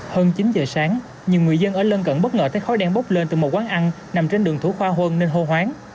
hơn chín giờ sáng nhiều người dân ở lân cận bất ngờ thấy khói đen bốc lên từ một quán ăn nằm trên đường thủ khoa huân nên hô hoáng